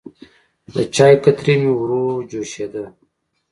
د چای کتری مې وروه جوشېده.